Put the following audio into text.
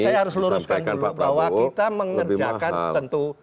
saya harus luruskan dulu bahwa kita mengerjakan tentu